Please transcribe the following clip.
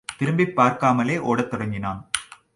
திரும்பிப் பார்க்காமலே ஒடத் தொடங்கினான்.